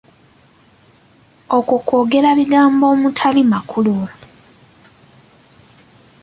Okwo kwogera bigambo omutali makulu.